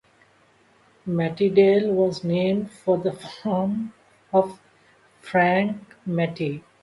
Mattydale was named for the farm of Frank Matty.